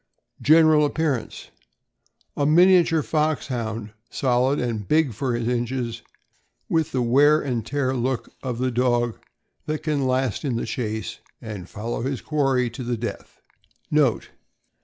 General appearance. — A miniature Foxhound, solid and big for his inches, with the wear and tear look of the dog that can last in the chase and follow his quarry to the death. NOTE.